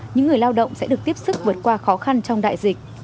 những người lao động sẽ được tiếp sức vượt qua khó khăn trong đại dịch